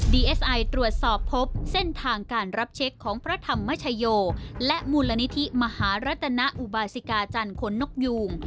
เอสไอตรวจสอบพบเส้นทางการรับเช็คของพระธรรมชโยและมูลนิธิมหารัตนอุบาสิกาจันทร์คนนกยูง